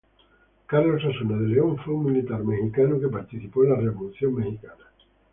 Carlos Osuna de León fue un militar mexicano que participó en la Revolución mexicana.